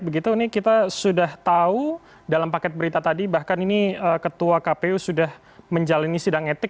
begitu ini kita sudah tahu dalam paket berita tadi bahkan ini ketua kpu sudah menjalani sidang etik